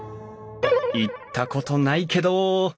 行ったことないけど。